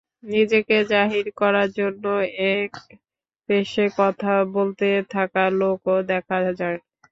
নিজেকে জাহির করার জন্যও একপেশে কথা বলতে থাকা লোকও দেখা যায়।